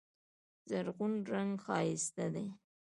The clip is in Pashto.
زرغون رنګ ښایسته دی.